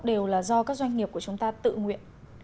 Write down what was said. đều là do các doanh nghiệp của chúng ta tự nguyện